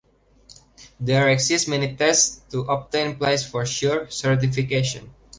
There exist many tests to obtain PlaysForSure certification.